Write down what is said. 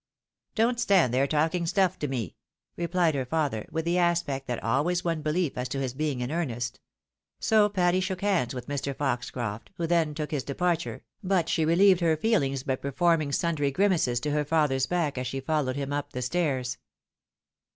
" Don't stand there, talking stuff to me," replied her father, with the aspect that always won belief as to his being in earnest. So Patty shook hands with Mr. Foxcroft, who then took his departure, but she relieved her feelings by performing sundry grimaces to her father's back as she followed him up the stairs.